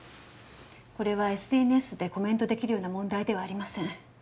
これはＳＮＳでコメント出来るような問題ではありません。